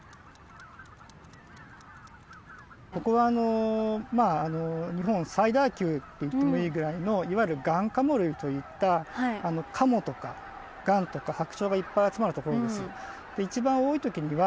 ここはあの日本最大級っていってもいいぐらいのいわゆるガンカモ類といったカモとかガンとかハクチョウがいっぱい集まるところです。